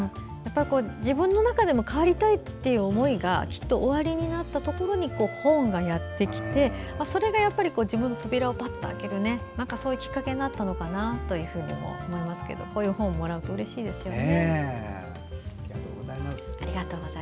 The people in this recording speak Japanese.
自分の中でも変わりたいという思いがきっとおありになったところに本がやってきて、それがやっぱり自分の扉を開けるきっかけになったのかなとも思いますけど、こういう本をもらうとうれしいですよね。